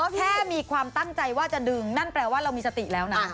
แค่มีความตั้งใจว่าจะดึงนั่นแปลว่าเรามีสติแล้วนะ